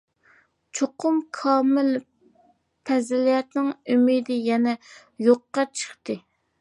«چوقۇم كامىل» ، پەزىلەتنىڭ ئۈمىدى يەنە يوققا چىقتى.